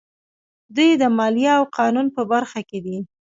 دوی د مالیې او قانون په برخه کې دي.